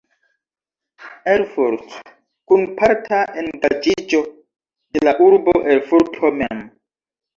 Erfurt" kun parta engaĝiĝo de la urbo Erfurto mem.